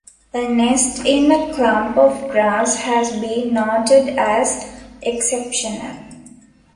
A nest in a clump of grass has been noted as exceptional.